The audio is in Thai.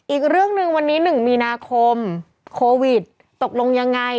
อีกเรื่องหนึ่งวันนี้๑มีนาคมโควิดตกลงยังไง